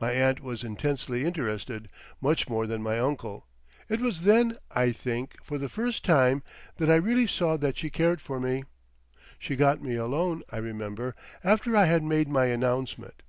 My aunt was intensely interested, much more than my uncle; it was then, I think, for the first time that I really saw that she cared for me. She got me alone, I remember, after I had made my announcement.